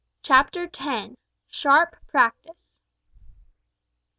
CHAPTER TEN. SHARP PRACTICE.